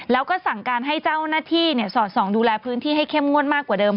แล้วก็สั่งการให้เจ้าหน้าที่สอดส่องดูแลพื้นที่ให้เข้มงวดมากกว่าเดิม